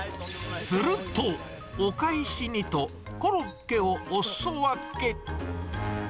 すると、お返しにと、コロッケをおすそ分け。